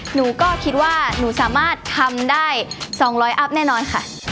หนูก็คิดว่าหนูสามารถทำได้๒๐๐อัพแน่นอนค่ะ